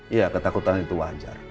iya ketakutan itu wajar